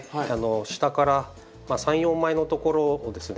下から３４枚のところをですね